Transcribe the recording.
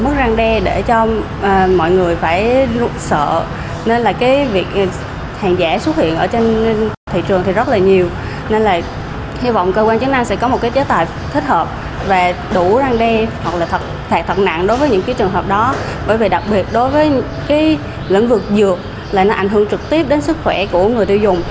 trực tiếp đến sức khỏe của người tiêu dùng